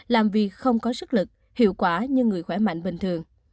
làm việc không có sức lực hiệu quả như người khỏe mạnh bình thường